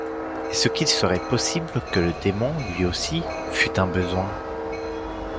Est-ce qu’il serait possible que le démon, lui aussi, fût un besoin?